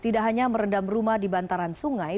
tidak hanya merendam rumah di bantaran sungai